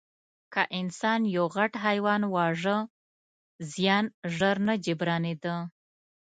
که انسان یو غټ حیوان واژه، زیان ژر نه جبرانېده.